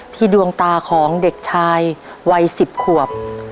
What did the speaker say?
ดวงตาของเด็กชายวัย๑๐ขวบ